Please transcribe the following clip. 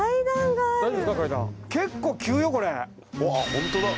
ホントだ。